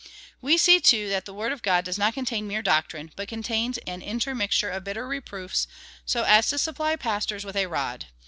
We see, too, that the Word of God does not contain mere doctrine, but contains an inter mixture of bitter reproofs, so as to sujiply pastors with a rod.